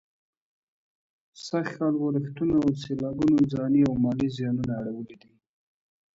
سږ کال ورښتونو او سېلابونو ځاني او مالي زيانونه اړولي دي.